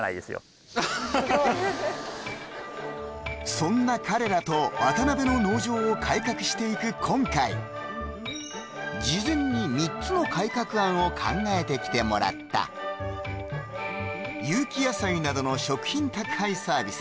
そんな彼らと渡辺の農場を改革していく今回事前に３つの改革案を考えてきてもらった有機野菜などの食品宅配サービス